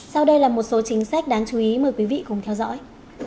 sau đây là một số chính sách đáng chú ý mời quý vị cùng theo dõi